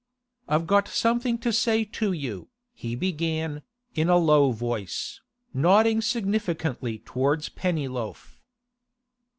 'I've got something to say to you,' he began, in a low voice, nodding significantly towards Pennyloaf.